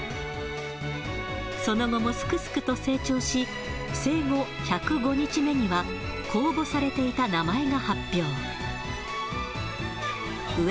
その後もすくすくと成長し、生後１０５日目には、公募されていた名前が発表。